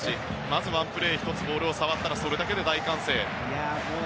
まずワンプレー、ボールを触ったらそれだけで大歓声。